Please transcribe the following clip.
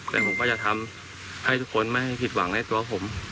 แต่ผมก็จะทำให้ทุกคนไม่ให้ผิดหวังในตัวผม